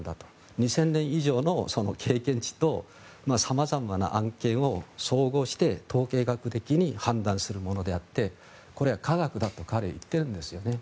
２０００年以上の経験値と様々な案件を総合して統計学的に判断するものであってこれは科学だと彼は言ってるんですよね。